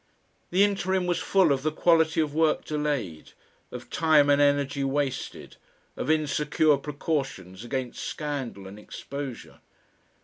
The interim was full of the quality of work delayed, of time and energy wasted, of insecure precautions against scandal and exposure.